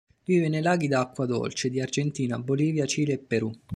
Vive nei laghi d'acqua dolce di Argentina, Bolivia, Cile e Perù.